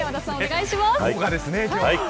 豪華ですね、今日は。